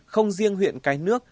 không riêng huyện cái nước